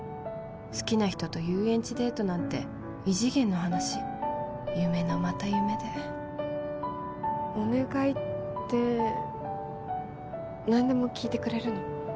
好きな人と遊園地デートなんて異次元の話夢のまた夢でお願いって何でも聞いてくれるの？